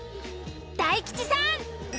大吉さん！